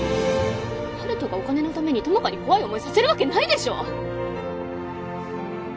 温人がお金のために友果に怖い思いさせるわけないでしょ！